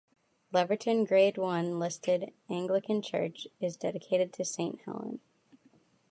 Leverton Grade One listed Anglican church is dedicated to Saint Helen.